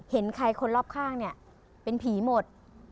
เห็นใครคนรอบข้างเนี่ยเป็นผีหมด